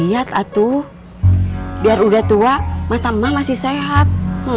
lihat aduh biar udah tua mata emak masih sehat